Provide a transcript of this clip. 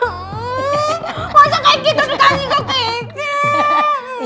masa kiki tuh dikasih ke kiki